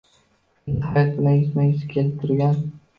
Endi hayot bilan yuzma-yuz kelib turgan.